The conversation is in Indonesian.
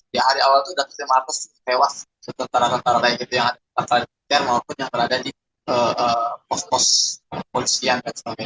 di hari awal itu di atas lima ratus lewat setara setara yang ada di sekitar maupun yang berada di pos pos polisian